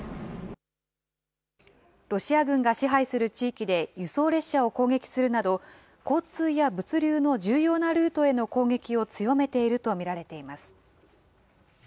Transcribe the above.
ロシア軍が支配する地域で輸送列車を攻撃するなど、交通や物流の重要なルートへの攻撃を強めていると見られています。